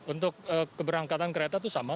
untuk keberangkatan kereta itu sama